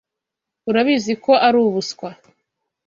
Urabizi ko ari ubuswa.